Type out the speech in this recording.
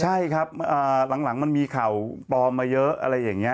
ใช่ครับหลังมันมีข่าวปลอมมาเยอะอะไรอย่างนี้